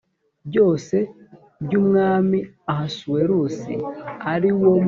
byose by umwami ahasuwerusi ari wo munsi wa